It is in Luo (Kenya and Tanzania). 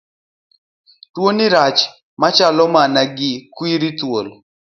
Tuoni rach machalo mana gi kwiri thuol.